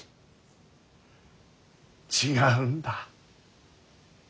違うんだ。